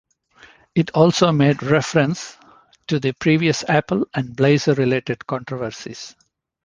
It also made reference to the previous apple and blazer related controversies.